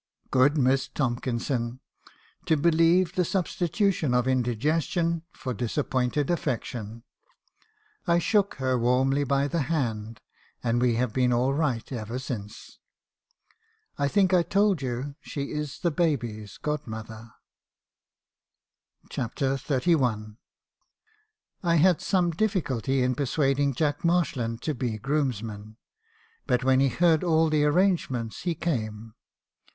u Good Miss Tomkinson ! to believe the substitution of indi gestion for disappointed affection. I shook her warmly by the hand; and we have been all right ever since. I think I told you she is baby's godmother." CHAPTER XXXI. "I had some difficulty in persuading Jack Marshland to be groomsman; but when he heard all the arrangements, he came.